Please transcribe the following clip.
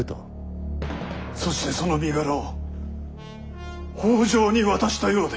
そしてその身柄を北条に渡したようで。